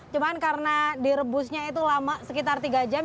cuma karena direbusnya itu lama sekitar tiga jam